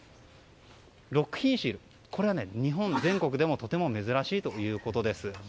６品種、これは日本全国でもとても珍しいということです。